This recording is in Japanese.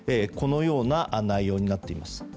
このような内容になっています。